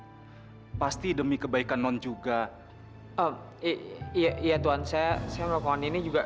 hai pasti demi kebaikan non juga oh iya tuhan saya serangkan ini juga